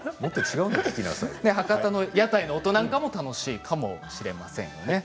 博多の屋台の音なんかも楽しいかもしれません。